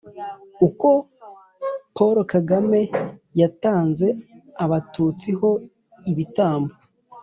“uko paulo kagame yatanze abatutsi ho ibitambo”